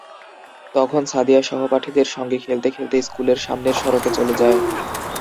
তখন সাদিয়া সহপাঠীদের সঙ্গে খেলতে খেলতে স্কুলের সামনের সড়কে চলে যায়।